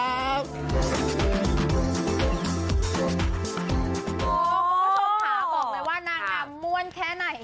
พวกคุณผู้ชมค่ะบอกเลยว่านางน้ำมวลแค่ไหน